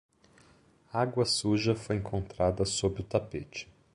Água suja foi encontrada sob o tapete